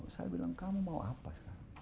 saya bilang kamu mau apa sekarang